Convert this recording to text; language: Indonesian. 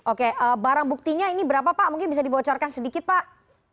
oke barang buktinya ini berapa pak mungkin bisa dibocorkan sedikit pak